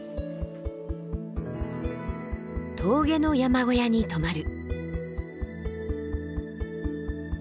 峠の山小屋に泊まる。